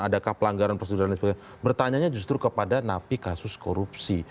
adakah pelanggaran prosedur dan sebagainya bertanya justru kepada napi kasus korupsi